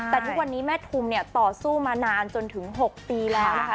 แต่ทุกวันนี้แม่ทุมเนี่ยต่อสู้มานานจนถึง๖ปีแล้วนะคะ